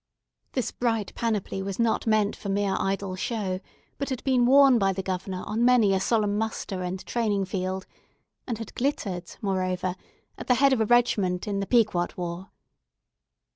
This bright panoply was not meant for mere idle show, but had been worn by the Governor on many a solemn muster and training field, and had glittered, moreover, at the head of a regiment in the Pequod war.